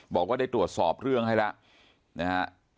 บอกว่าได้ตรวจสอบเรื่องให้แล้วนะฮะ